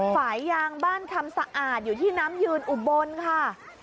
ฝ่ายยางบ้านคำสะอาดอยู่ที่น้ำยืนอุบลค่ะ